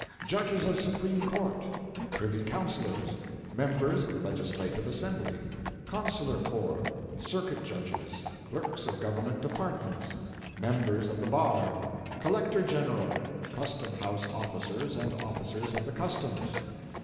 Judges of Supreme Court. Privy Councillors. Members of Legislative Assembly. Consular Corps. Circuit Judges. Clerks of Government Departments. Members of the Bar. Collector General, Custom house Officers and Officers of the Customs.